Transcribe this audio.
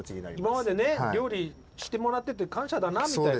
今までね料理してもらってて感謝だなみたいな。